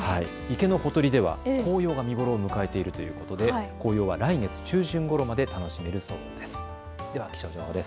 池のほとりでは紅葉が見頃に入っているということで紅葉は来月中旬ごろまで楽しめるそうです。